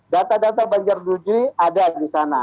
data data banjar duji ada di sana